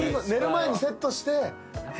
寝る前にセットして。